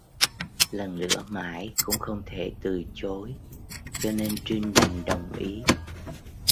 Lần lữa mãi cũng không thể từ chối cho nên Trinh đành đồng ý